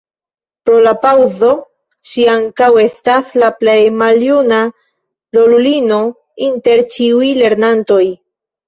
Pro la paŭzo, ŝi ankaŭ estas la plej maljuna rolulino inter ĉiuj lernantoj.